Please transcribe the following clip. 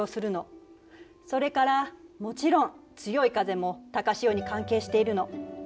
それからもちろん強い風も高潮に関係しているの。